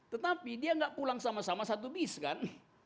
tetapi dia nggak pulang sama sama satu bis kan